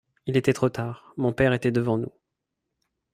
Il était trop tard, mon père était devant nous.